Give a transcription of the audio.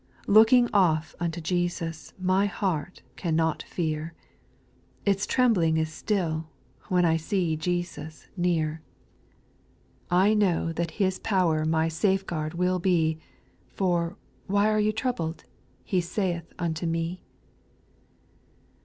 5 Looking off unto Jesua, My heart cannot fear ; Its trembling is still WJien I see Jesus near : 20 ^ 880 SPIRITUAL SONGS. I know that His power My safe guard will be, For " why are ye troubled V* He saith unto me.